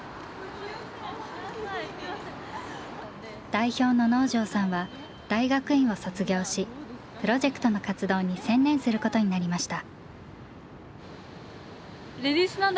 代表の能條さんは大学院を卒業しプロジェクトの活動に専念することになりました。